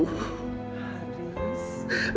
haris rendah bu